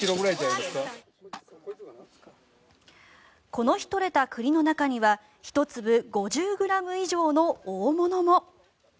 この日採れた栗の中には１粒５０ｇ以上の大物も。